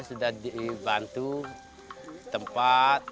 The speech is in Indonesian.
ya saya sudah dibantu tempat